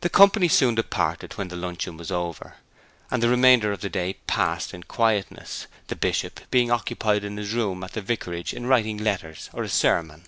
The company soon departed when luncheon was over, and the remainder of the day passed in quietness, the Bishop being occupied in his room at the vicarage with writing letters or a sermon.